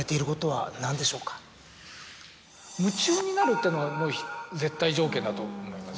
っていうのはもう絶対条件だと思います。